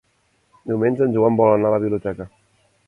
Diumenge en Joan vol anar a la biblioteca.